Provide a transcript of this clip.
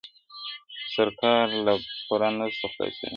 د سرکار له پوره نه سو خلاصېدلای!!